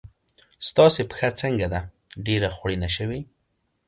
ستاسې پښه څنګه ده؟ ډېره خوړینه شوې.